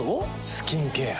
スキンケア。